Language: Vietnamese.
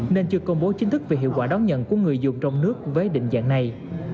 nên chưa công bố chính thức về hiệu quả đón nhận của người dùng trong nước với định dạng này